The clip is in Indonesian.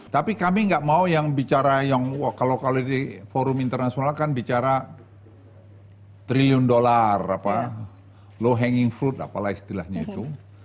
tapi kami nggak mau yang bicara yang kalau kalau di forum internasional kan bicara triliun dolar low hanging fruit apalah istilahnya itu